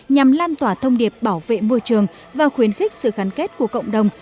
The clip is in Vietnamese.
nhằm lan tỏa thông điệp bảo vệ môi trường và khuyến khích sự gắn kết của cộng đồng